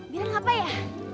bidan apa ya